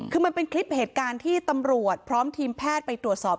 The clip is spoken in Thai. คือมันเป็นคลิปเหตุการณ์ที่ตำรวจพร้อมทีมแพทย์ไปตรวจสอบ